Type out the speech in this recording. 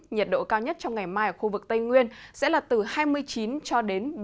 nhiệt độ cao nhất trong ngày mai ở khu vực tây nguyên sẽ là từ hai mươi chín ba mươi hai độ